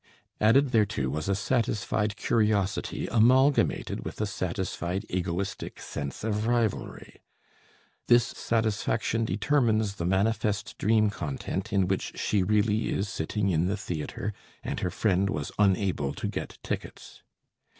Added thereto was a satisfied curiosity amalgamated with a satisfied egoistic sense of rivalry. This satisfaction determines the manifest dream content in which she really is sitting in the theatre, and her friend was unable to get tickets.